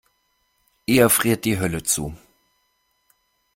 Eher friert die Hölle zu.